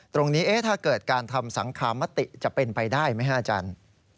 ถ้าเกิดการทำสังคมติจะเป็นไปได้ไหมฮะอาจารย์